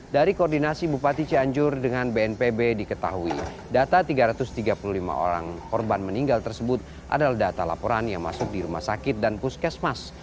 dari koordinasi bupati cianjur dengan bnpb diketahui data tiga ratus tiga puluh lima orang korban meninggal tersebut adalah data laporan yang masuk di rumah sakit dan puskesmas